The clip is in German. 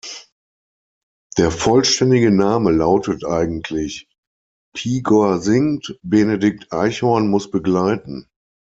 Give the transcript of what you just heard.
Der vollständige Name lautet eigentlich "„Pigor singt, Benedikt Eichhorn muss begleiten“".